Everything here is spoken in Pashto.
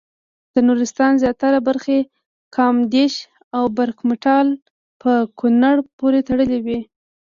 د نورستان زیاتره برخې کامدېش او برګمټال په کونړ پورې تړلې وې.